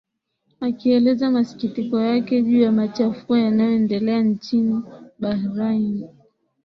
akieleza masikitiko yake juu ya machafuko yanayo endelee nchini bahrain